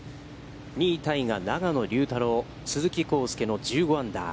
２位タイが永野竜太郎、鈴木晃祐の１５アンダー。